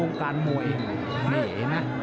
กระหน่าที่น้ำเงินก็มีเสียเอ็นจากอุบลนะครับ